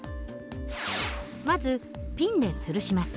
まずピンでつるします。